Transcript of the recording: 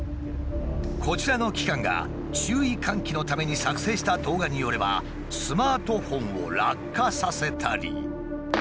こちらの機関が注意喚起のために作成した動画によればスマートフォンを落下させたり。